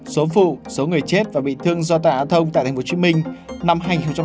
số phụ số người chết và bị thương do tai nạn giao thông tại tp hcm năm hai nghìn hai mươi ba